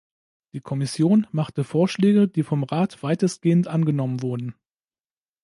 Die Kommission machte Vorschläge, die vom Rat weitestgehend angenommen wurden.